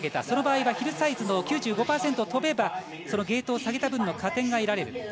その場合はヒルサイズの９５％を飛べばゲートを下げた分の加点が得られる。